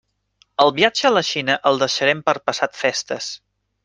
El viatge a la Xina el deixarem per passat festes.